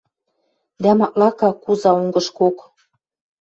Дӓ маклака куза онгышкок.